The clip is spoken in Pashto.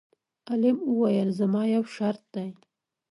عالم وویل: زما یو شرط دی.